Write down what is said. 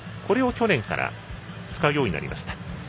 これを去年から使うようになりました。